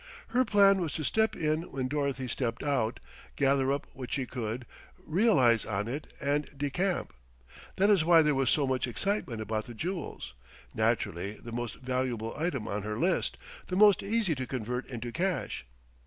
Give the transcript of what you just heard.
Her plan was to step in when Dorothy stepped out, gather up what she could, realize on it, and decamp. That is why there was so much excitement about the jewels: naturally the most valuable item on her list, the most easy to convert into cash....